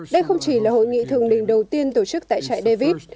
đây không chỉ là hội nghị thượng đỉnh đầu tiên tổ chức tại trại david